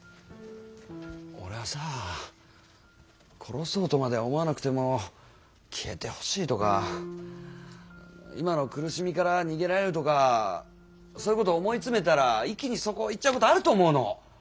俺はさ殺そうとまでは思わなくても消えてほしいとか今の苦しみから逃げられるとかそういうこと思い詰めたら一気にそこ行っちゃうことあると思うの。